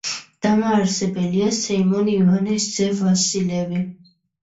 დამაარსებელია სემიონ ივანეს ძე ვასილევი.